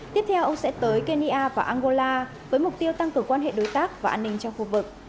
tiếp theo ông sẽ tới kenya và angola với mục tiêu tăng cường quan hệ đối tác và an ninh trong khu vực